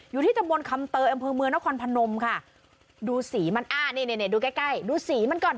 อยู่ที่ตำบลคำเตยอำเภอเมืองนครพนมค่ะดูสีมันอ้านี่ดูใกล้ใกล้ดูสีมันก่อน